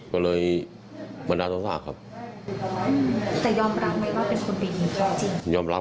แล้วเรื่องทรายดินน้ำทรายที่ยังไง